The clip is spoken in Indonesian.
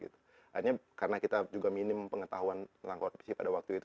akhirnya karena kita juga minim pengetahuan tentang korupsi pada waktu itu